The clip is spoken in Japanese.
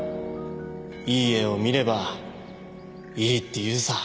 いい絵を見ればいいって言うさ。